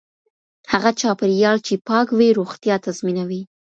هغه چاپیریال چې پاک وي روغتیا تضمینوي.